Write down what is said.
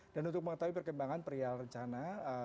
dan untuk mengetahui perkembangan perialan rencana